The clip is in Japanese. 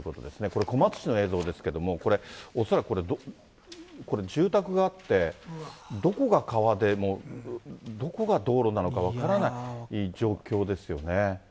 これ、小松市の映像ですけれども、これ、恐らくこれ、住宅があって、どこが川で、どこが道路なのか分からない状況ですよね。